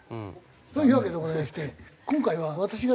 そういうわけでございまして今回は私が司会を。